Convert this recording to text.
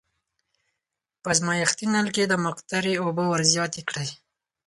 په ازمایښتي نل کې مقطرې اوبه ور زیاتې کړئ.